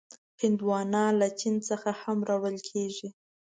هندوانه له چین نه هم راوړل کېږي.